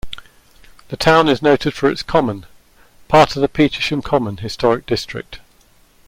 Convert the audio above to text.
The town is noted for its common, part of the Petersham Common Historic District.